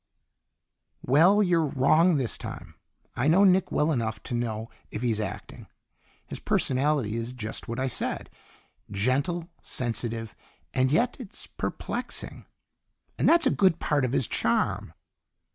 "Well, you're wrong this time. I know Nick well enough to know if he's acting. His personality is just what I said gentle, sensitive, and yet It's perplexing, and that's a good part of his charm."